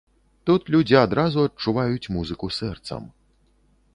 Тут людзі адразу адчуваюць музыку сэрцам.